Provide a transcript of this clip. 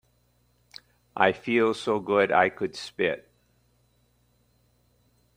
I feel so good I could spit.